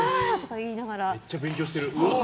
めっちゃ勉強してる。